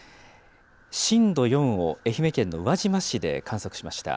震度４を愛媛県の宇和島市で観測しました。